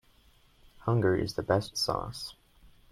Hunger is the best sauce.